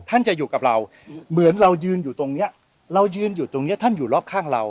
ท่านจะอยู่กับเราเหมือนเรายืนอยู่ตรงนี้ท่านอยู่รอบข้างเรา